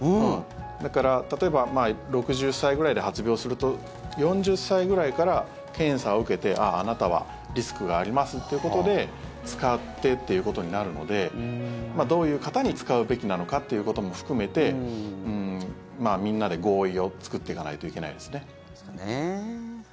だから、例えば６０歳ぐらいで発病すると４０歳ぐらいから検査を受けてあなたはリスクがありますということで使ってということになるのでどういう方に使うべきなのかということも含めてみんなで合意を作っていかないといけないですね。